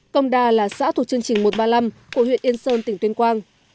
công đa là xã thuộc chương trình một trăm ba mươi năm của huyện yên sơn tỉnh tuyên quang